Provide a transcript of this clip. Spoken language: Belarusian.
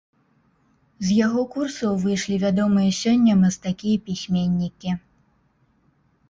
З яго курсаў выйшлі вядомыя сёння мастакі і пісьменнікі.